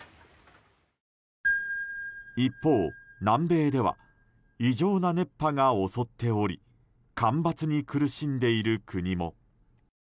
一方、南米では異常な熱波が襲っており干ばつに苦しんでいる国も。